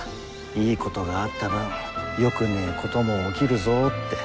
いいことがあった分よくねえことも起きるぞって。